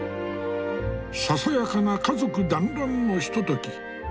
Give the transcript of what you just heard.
ささやかな家族団らんのひととき。